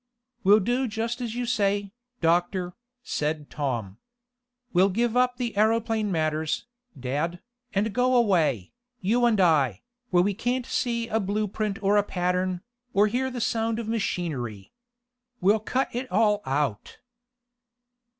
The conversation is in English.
"We'll do just as you say, doctor," said Tom. "We'll give up the aeroplane matters, dad, and go away, you and I, where we can't see a blueprint or a pattern, or hear the sound of machinery. We'll cut it all out."